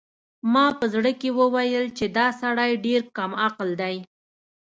ما په زړه کې وویل چې دا سړی ډېر کم عقل دی.